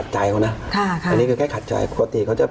ทั้งทีก็